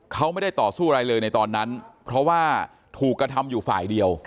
เขาไม่ได้ต่อสู้อะไรเลยในตอนนั้นเพราะว่าถูกกระทำอยู่ฝ่ายเดียว